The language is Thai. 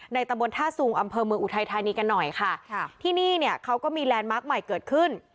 ตำบลท่าซุงอำเภอเมืองอุทัยธานีกันหน่อยค่ะที่นี่เนี่ยเขาก็มีแลนดมาร์คใหม่เกิดขึ้น